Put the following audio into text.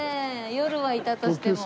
夜はいたとしても。